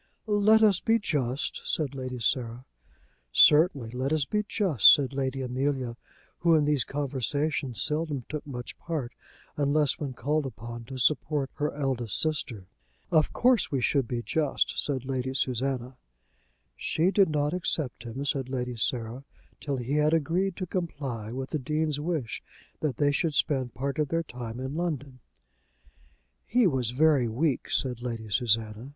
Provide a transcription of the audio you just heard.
"Let us be just," said Lady Sarah. "Certainly, let us be just," said Lady Amelia, who in these conversations seldom took much part, unless when called upon to support her eldest sister. "Of course we should be just," said Lady Susanna. "She did not accept him," said Lady Sarah, "till he had agreed to comply with the Dean's wish that they should spend part of their time in London." "He was very weak," said Lady Susanna.